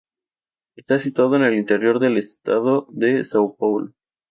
Está situada en el interior del Estado de São Paulo.